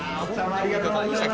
ありがとうございます